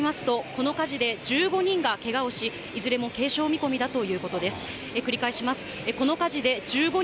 この火事で、１５人がけがをし、いずれも軽傷見込みだということです。